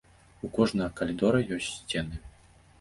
У кожнага калідора ёсць сцены.